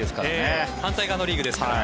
反対側のリーグですから。